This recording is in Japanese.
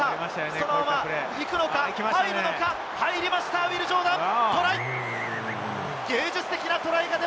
そのままいくのか、入るのか、入りました、ウィル・ジョーダン。